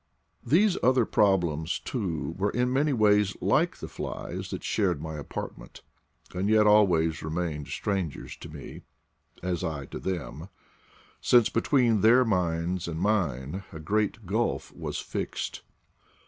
These other problems, too, were in many ways like the flies that shared my apart ment, and yet always remained strangers to me, as I to them, since between their minds and mine a great gulf was fixed.